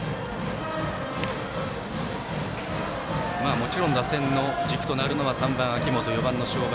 もちろん打線の軸となるのは、３番、秋元４番の正林